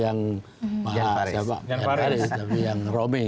yang faris tapi yang romy ya